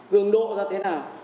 hương độ ra thế nào